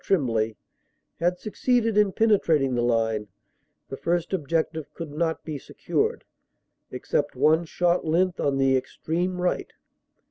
Tremblay) had succeeded in penetrating the line, the first objective could not be secured, except one short length on the extreme right.